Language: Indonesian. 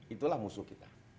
itulah musuh kita